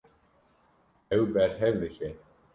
Ew berhev dike.